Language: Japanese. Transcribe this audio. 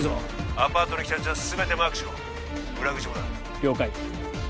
アパートに来たやつは全てマークしろ裏口もだ了解